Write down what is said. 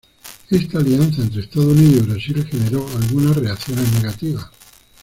Esta alianza entre Estados Unidos y Brasil generó algunas reacciones negativas.